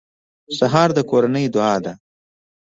سهار د کورنۍ دعا ده.